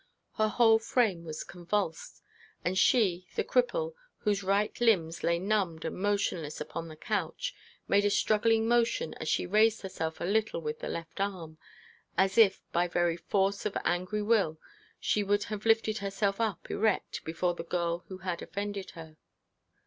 Her whole frame was convulsed, and she, the cripple, whose right limbs lay numbed and motionless upon the couch, made a struggling motion as she raised herself a little with the left arm, as if, by very force of angry will, she would have lifted herself up erect before the girl who had offended her.